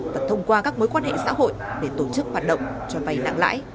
và thông qua các mối quan hệ xã hội để tổ chức hoạt động cho vay nặng lãi